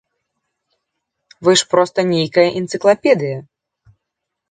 Вы ж проста нейкая энцыклапедыя.